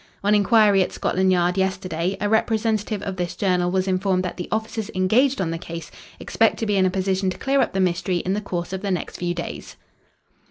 "On inquiry at Scotland Yard yesterday, a representative of this journal was informed that the officers engaged on the case expect to be in a position to clear up the mystery in the course of the next few days."